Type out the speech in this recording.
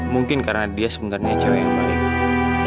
mungkin karena dia sebenarnya cewek yang paling baik